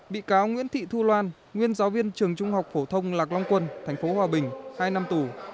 bị cáo nguyễn thị thu loan nguyên giáo viên trường trung học phổ thông lạc long quân tp hòa bình hai năm tù